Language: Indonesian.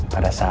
pada saat itu